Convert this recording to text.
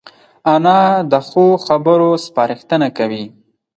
انا د ښو خبرو سپارښتنه کوي